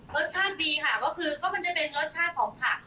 รสชาติดีค่ะก็คือก็มันจะเป็นรสชาติของผัก